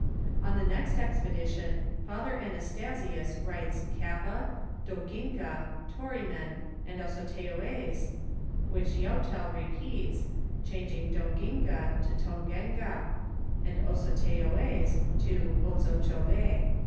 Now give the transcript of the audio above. On the next expedition. Father AiTastasius writes Kappa, Do ginga,43?oriman, and Osottooez, wiiich Joutol repeats, changing Doginga to Ton gengn, nnd Osotteoez to Otsotchove.